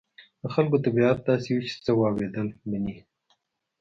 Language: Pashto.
د خلکو طبيعت داسې وي چې څه واورېدل مني.